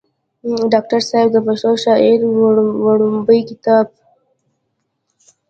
ډاکټر صېب د پښتو شاعرۍ وړومبے کتاب